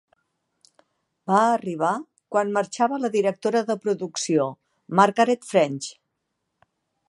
Va arribar quan marxava la directora de producció, Margaret French.